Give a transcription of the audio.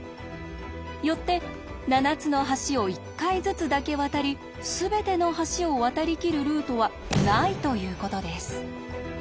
よって７つの橋を１回ずつだけ渡りすべての橋を渡りきるルートはないということです。